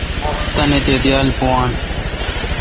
تانی تے°دیال پویان۔